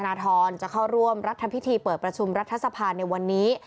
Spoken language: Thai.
นาธรจะเข้าร่วมรัฐพิธีเปิดประชุมรัฐสภาในวันนี้